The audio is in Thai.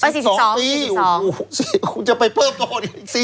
กูจะไปเพิ่มโต